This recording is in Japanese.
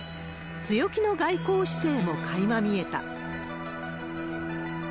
強気の外交姿勢もかいま見えた。